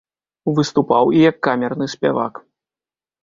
Выступаў і як камерны спявак.